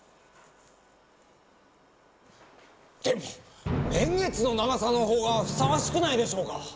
でもねんげつの長さのほうがふさわしくないでしょうか。